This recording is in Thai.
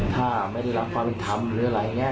ถ้าไม่ได้รับความเป็นธรรมหรืออะไรอย่างนี้